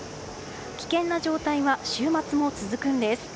危険な状態は週末も続くんです。